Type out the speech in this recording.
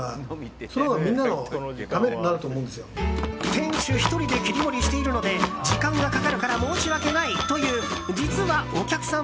店主１人で切り盛りしているので時間がかかるから申し訳ないという実はお客さん